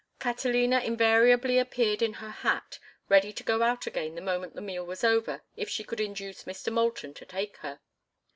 Catalina invariably appeared in her hat, ready to go out again the moment the meal was over if she could induce Mr. Moulton to take her.